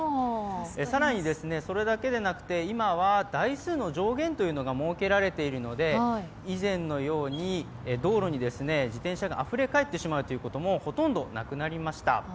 更に、それだけでなくて、今は台数の上限というのが設けられているので以前のように道路に自転車があふれかえってしまうということもほとんどなくなりました。